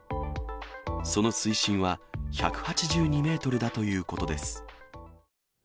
その水深は、１８２メートルだということです。